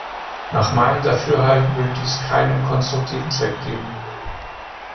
Nach meinem Dafürhalten würde dies keinem konstruktiven Zweck dienen.